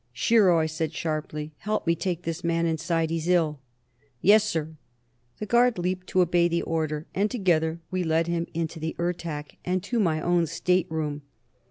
"Shiro!" I said sharply. "Help me take this man inside. He's ill." "Yes, sir!" The guard leaped to obey the order, and together we led him into the Ertak, and to my own stateroom.